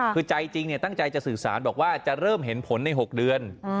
คือใจจริงตั้งใจจะสื่อสารบอกว่าจะเริ่มเห็นผลใน๖เดือน